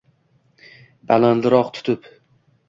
Balandroq tutib.